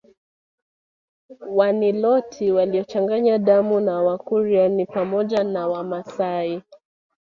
Waniloti waliochanganya damu na Wakurya ni pamoja na Wamasai